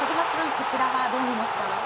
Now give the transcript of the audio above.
こちらはどう見ますか？